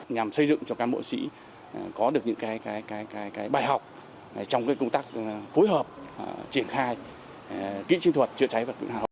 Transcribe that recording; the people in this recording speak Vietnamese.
nhằm xây dựng cho cán bộ chiến sĩ có được những bài học trong công tác phối hợp triển khai